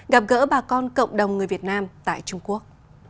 gặp gỡ bà con cộng đồng người việt nam tại trung quốc